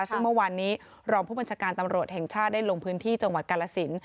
ซึ่งเมื่อวานนี้รองผู้บัญชาการตำรวจแห่งชาติได้ลงพื้นที่จังหวัดกาลสิน